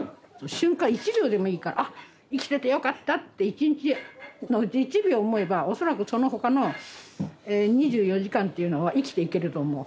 瞬間１秒でもいいから「あ生きててよかった」って１日のうち１秒思えば恐らくその他の２４時間っていうのは生きていけると思う。